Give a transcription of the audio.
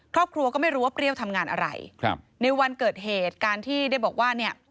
ครอบครัวก็ไม่รู้ว่าเปรี้ยวทำงานอะไรครับในวันเกิดเหตุการที่ได้บอกว่าเนี่ย